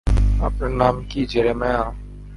আপনার নাম কী জেরেমায়া?